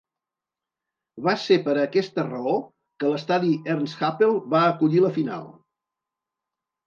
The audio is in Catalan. Va ser per aquesta raó que l'estadi Ernst-Happel va acollir la final.